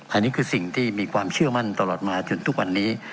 อันนี้คือสิ่งที่มีความเชื่อมั่นตลอดมาจนทุกวันนี้